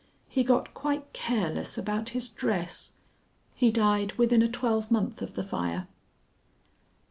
He got quite careless about his dress.... He died within a twelvemonth of the fire."